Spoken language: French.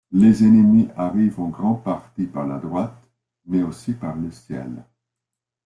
Les ennemis arrivent en grande partie par la droite, mais aussi par le ciel.